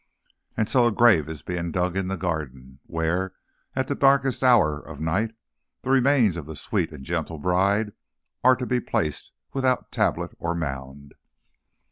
And so a grave is being dug in the garden, where, at the darkest hour of night, the remains of the sweet and gentle bride are to be placed without tablet or mound.